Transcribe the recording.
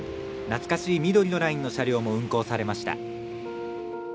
懐かしい緑のラインの車両も運行されました。